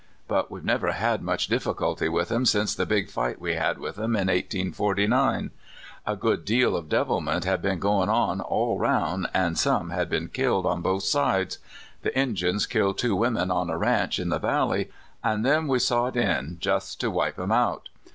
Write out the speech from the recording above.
But we've never had much difficulty with 'em since the big fight we had with 'em in 1849. A good deal of devilment had been goin' on all roun', an' some had been killed on both sides. The Injuns killed two w^omen on a ranch in the valley, an' then we sot in just to wipe 'em out.